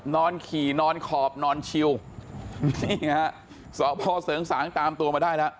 นอนขี่นอนขอบนอนชิวนี่ฮะสพเสริงสางตามตัวมาได้แล้ว